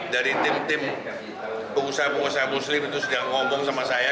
dari tim tim pengusaha pengusaha muslim itu sudah ngomong sama saya